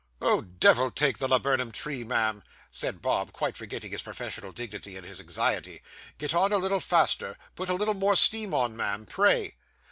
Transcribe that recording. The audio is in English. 'Oh, devil take the laburnum tree, ma'am!' said Bob, quite forgetting his professional dignity in his anxiety. 'Get on a little faster; put a little more steam on, ma'am, pray.